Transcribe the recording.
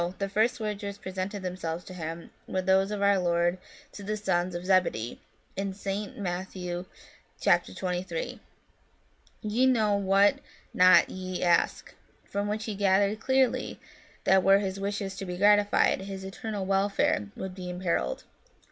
the first words which presented themselves to him were those of our Lord to the sons of Zebedee, in St. Matt. xx. 23, * Ye know not what ye ask *; from which he gathered clearly that were his wishes to be gratified, his eternal welfare would be imperilled."